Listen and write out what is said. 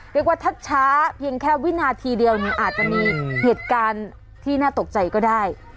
เรียกว่าถ้าช้าเพียงแค่วินาทีเดียวอาจจะมีเหตุการณ์ที่น่าตกใจก็ได้